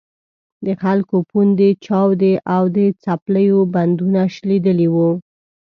د خلکو پوندې چاودې او د څپلیو بندونه شلېدلي وو.